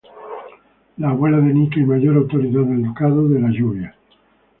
Abuela de Nike y mayor autoridad del Ducado de la Lluvia.